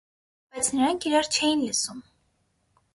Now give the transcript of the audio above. Բայց նրանք իրար չէին լսում։